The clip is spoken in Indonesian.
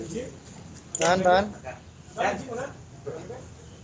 satu tahun hampir satu tahun